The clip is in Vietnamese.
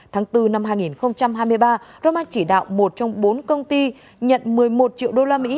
tháng bốn năm hai nghìn hai mươi ba roman chỉ đạo một trong bốn công ty nhận một mươi một triệu usd